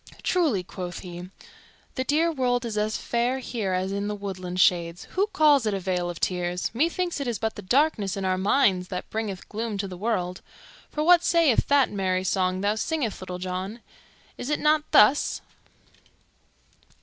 "Truly," quoth he, "the dear world is as fair here as in the woodland shades. Who calls it a vale of tears? Methinks it is but the darkness in our minds that bringeth gloom to the world. For what sayeth that merry song thou singest, Little John? Is it not thus?